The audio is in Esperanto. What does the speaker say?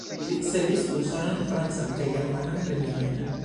Li ricevis usonan, francan kaj germanan premiojn.